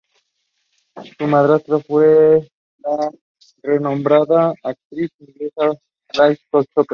Su madrastra fue la renombrada actriz inglesa Gladys Cooper.